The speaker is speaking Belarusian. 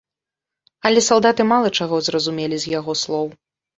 Але салдаты мала чаго зразумелі з яго слоў.